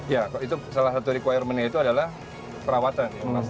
ya salah satu requirement nya itu adalah perawatan